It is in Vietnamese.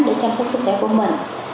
để chăm sóc sức khỏe của mình